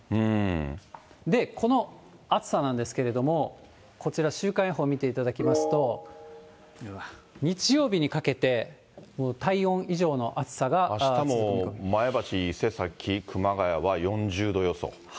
この暑さなんですけれども、こちら週間予報見ていただきますと、日曜日にかけて、あしたも前橋、伊勢崎、熊谷は４０度予想。